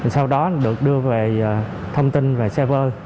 sau đó được đưa về thông tin về xe